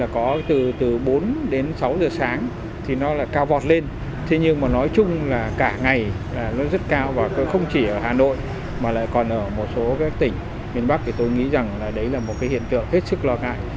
còn ở một số tỉnh miền bắc thì tôi nghĩ rằng là đấy là một hiện trường hết sức lo ngại